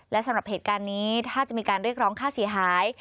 และสำหรับเหตุการณ์นี้ถ้าจะมีการเรียกร้องค่าเสียหาย